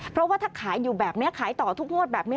เพราะว่าถ้าขายอยู่แบบนี้ขายต่อทุกงวดแบบนี้